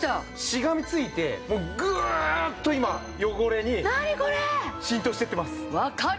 しがみついてもうグーッと今汚れに浸透していってます。